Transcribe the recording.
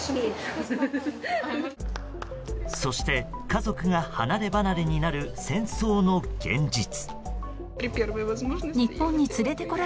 そして家族が離ればなれになる戦争の現実。